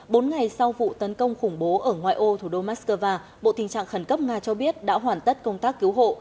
bốn ngày sau vụ tấn công khủng bố ở ngoài ô thủ đô moscow bộ tình trạng khẩn cấp nga cho biết đã hoàn tất công tác cứu hộ